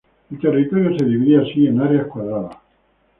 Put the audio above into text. El territorio se dividía así en áreas cuadradas.